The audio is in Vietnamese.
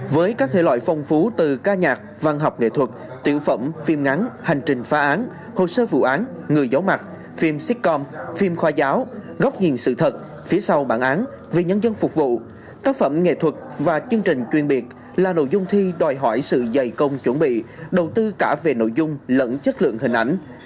với các thể loại phong phú từ ca nhạc văn học nghệ thuật tiểu phẩm phim ngắn hành trình phá án hồ sơ vụ án người giấu mặt phim sitcom phim khoa giáo góc nhìn sự thật phía sau bản án về nhân dân phục vụ tác phẩm nghệ thuật và chương trình chuyên biệt là nội dung thi đòi hỏi sự dày công chuẩn bị đầu tư cả về nội dung lẫn chất lượng hình ảnh